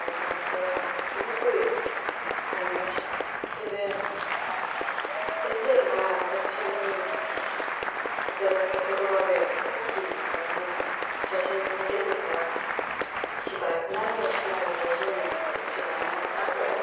それで先生が私に頂いた言葉でさっき写真に出ていた芝居『何をしてたの五十年』っていう芝居なんですけれども。